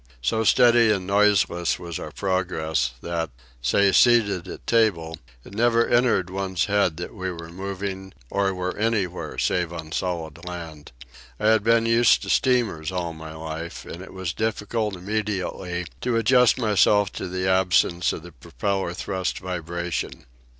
So steady and noiseless was our progress, that, say seated at table, it never entered one's head that we were moving or were anywhere save on the solid land. I had been used to steamers all my life, and it was difficult immediately to adjust myself to the absence of the propeller thrust vibration.